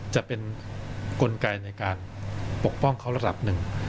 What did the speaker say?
จะเป็นกลไกในการปกป้องเขาระดับหนึ่ง